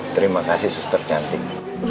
terima kasih suster cantik